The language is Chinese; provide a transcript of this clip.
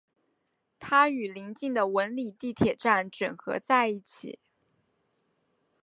它与临近的文礼地铁站整合在一起。